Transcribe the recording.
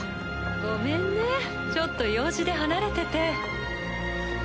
ごめんねちょっと用事で離れてて。